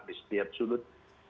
di setiap sudut